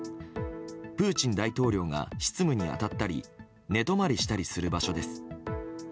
プーチン大統領が執務に当たったり寝泊まりしたりする場所です。